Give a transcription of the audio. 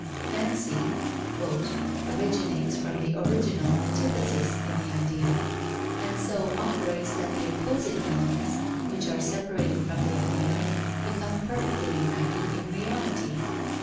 Fancy "originates from the original antithesis in the idea, and so operates that the opposing elements which are separated from the idea become perfectly united in reality.